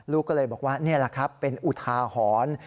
ลูกก็เลยบอกว่านี่แหละครับเป็นอุทาหรณ์